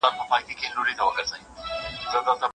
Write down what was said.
بیا به اورو له مطربه جهاني ستا غزلونه